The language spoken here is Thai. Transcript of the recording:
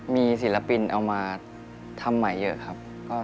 มีศิลปินเอามาทำใหม่เยอะครับ